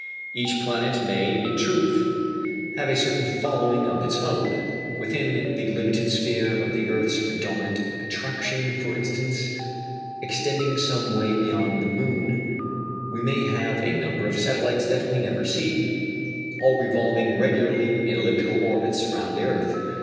Each planet may, in truth, have a certain following of its own. Within the limited sphere of the earth's predominant attraction, for instance, extending some way beyond the moon, we may have a number of satellites that we never see, all revolving regularly in elliptic orbits round the earth.